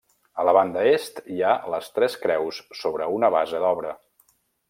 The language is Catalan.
A la banda est hi ha les tres creus sobre una base d'obra.